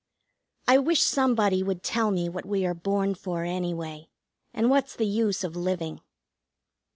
I wish somebody would tell me what we are born for anyway, and what's the use of living.